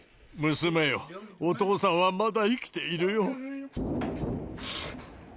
娘よ、お父さんはまだ生きているよ。